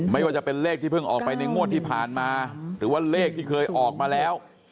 ไม่ว่าจะเป็นเลขที่เพิ่งออกไปในงวดที่ผ่านมาหรือว่าเลขที่เคยออกมาแล้ว